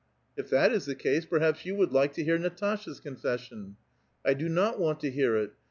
"If that is the case, jjerhaps you would like to hear Natasha's confession?" "I do not want to hear it.